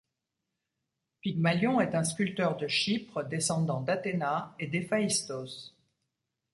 Pygmalion est un sculpteur de Chypre descendant d'Athéna et d'Héphaïstos.